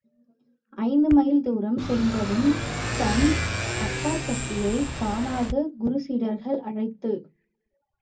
ஐந்து மைல் தூரம் சென்றதும் தன் பட்டாக்கத்தியைக் காணாத குரு சீடர்களை அழைத்து.